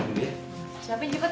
siapin cepet ya pak